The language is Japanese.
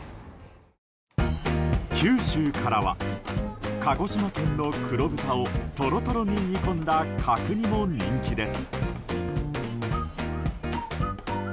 九州からは鹿児島県の黒豚をとろとろに煮込んだ角煮も人気です。